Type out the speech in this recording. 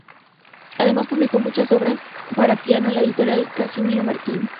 Además, publicó muchas obras para piano en la editorial Casimiro Martín.